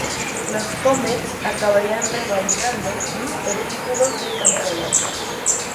Las Comets acabarían revalidando el título de campeonas.